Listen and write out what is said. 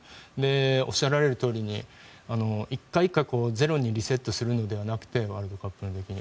おっしゃられるとおり１回１回ゼロにリセットするのではなくてワールドカップの時に。